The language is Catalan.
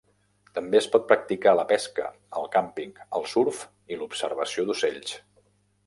També es pot practicar la pesca, el càmping, el surf i l'observació d'ocells.